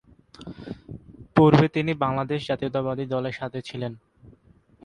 পূর্বে তিনি বাংলাদেশ জাতীয়তাবাদী দলের সাথে ছিলেন।